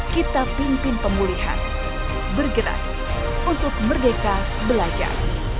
kita pimpin pemulihan bergerak untuk merdeka belajar